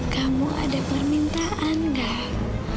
kamu ada permintaan nggak